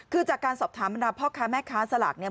คือจากการสอบถามบรรดาพ่อค้าแม่ค้าสลากเนี่ย